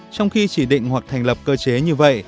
trong khi chỉ định hoặc thành lập cơ chế như vậy